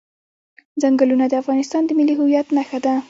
ځنګلونه د افغانستان د ملي هویت نښه ده.